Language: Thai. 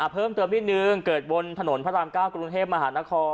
เพิ่มเติมนิดนึงเกิดบนถนนพระราม๙กรุงเทพมหานคร